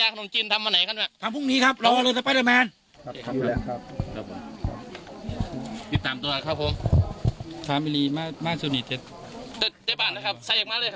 มาส่งแจขังแน่เลยผมเขาอันมือแน่รึยังปากคุณเลย